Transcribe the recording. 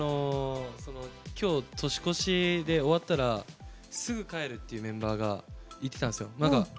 今日、年越しで終わったらすぐ帰るって、メンバーが言ってたんですよ。